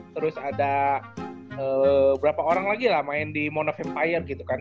terus ada berapa orang lagi lah main di mono empire gitu kan